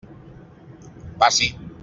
Passi.